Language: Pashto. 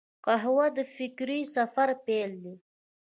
قهوه د فکري سفر پیل دی